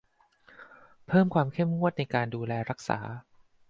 เพิ่มความเข้มงวดในการดูแลรักษา